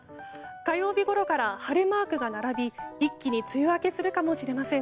火曜日ごろから晴れマークが並び一気に梅雨明けするかもしれません。